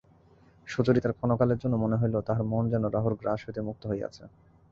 সুচরিতার ক্ষণকালের জন্য মনে হইল তাহার মন যেন রাহুর গ্রাস হইতে মুক্ত হইয়াছে।